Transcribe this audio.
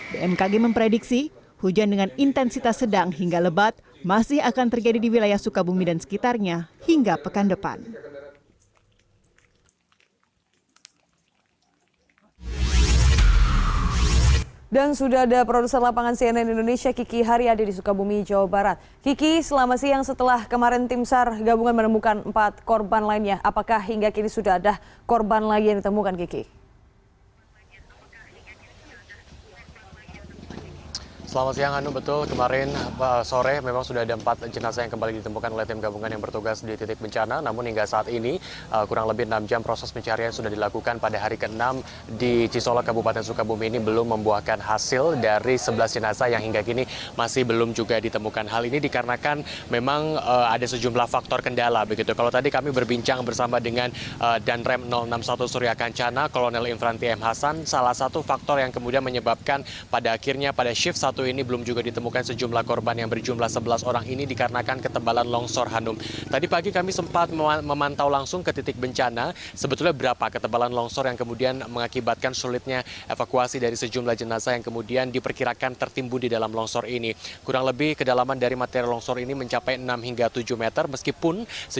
bmkg memprediksi hujan dengan intensitas sedang hingga lebat masih akan terjadi di wilayah sukabumi dan sekitarnya hingga pekan depan